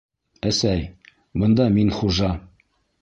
Әсәй, бында мин хужа!